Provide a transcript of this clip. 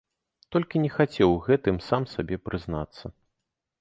Толькі не хацеў у гэтым сам сабе прызнацца.